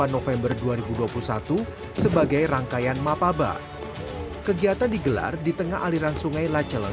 dua puluh delapan november dua ribu dua puluh satu sebagai rangkaian map aba kegiatan digelar di tengah aliran sungai lakelor